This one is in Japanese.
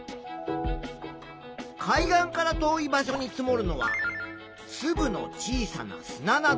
海岸から遠い場所に積もるのはつぶの小さな砂など。